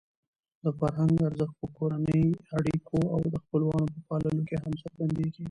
د فرهنګ ارزښت په کورنۍ اړیکو او د خپلوانو په پاللو کې هم څرګندېږي.